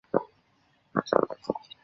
皮赛地区圣阿芒。